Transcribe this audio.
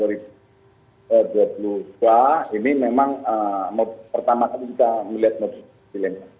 ini memang pertama kali kita melihat modus milenial